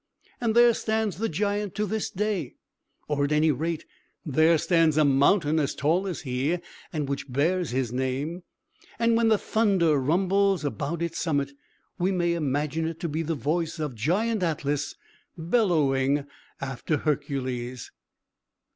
And there stands the giant to this day; or, at any rate, there stands a mountain as tall as he, and which bears his name; and when the thunder rumbles about its summit, we may imagine it to be the voice of Giant Atlas, bellowing after Hercules!